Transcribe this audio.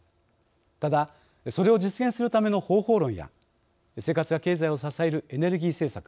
ただそれを実現するための方法論や生活や経済を支えるエネルギー政策